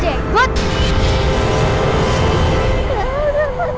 ini sitteng kendi modal